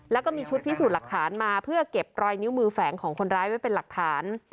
แล้วก็มีชุดพิสูจน์หลักฐานมาเพื่อเก็บรอยนิ้วมือแฝงของคนร้ายไว้เป็นหลักฐาน